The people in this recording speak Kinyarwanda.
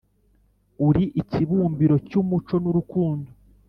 uli ikibumbiro cy’umuco n’urukundo